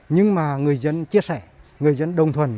nhưng mà người dân chia sẻ người dân đồng thuận